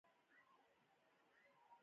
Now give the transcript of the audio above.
د ځمکې منتل ډبرې دي.